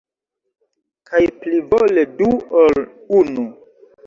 Kaj plivole du ol unu!